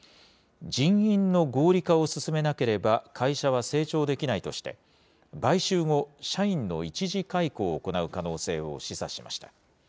人員の合理化を進めなければ、会社は成長できないとして、買収後、社員の一時解雇を行う可能性を示唆しました。